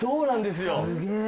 すげえ！